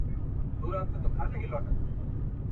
د یارانې مثال د تېغ دی.